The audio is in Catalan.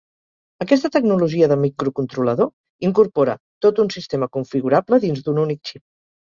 Aquesta tecnologia de microcontrolador incorpora tot un sistema configurable dins d'un únic xip.